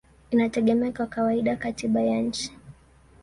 inategemea kwa kawaida katiba ya nchi.